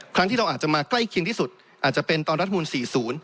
ครั้งที่เราอาจจะมาใกล้เคียงที่สุดอาจจะเป็นตอนรัฐมูล๔๐